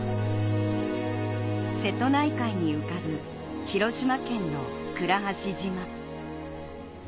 瀬戸内海に浮かぶ広島県の倉橋島